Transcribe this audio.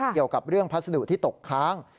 เกี่ยวกับเรื่องพัสดุที่ตกค้าง